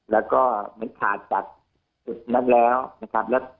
แล้วก็มันขาดจากจุดนั้นแล้วนะครับ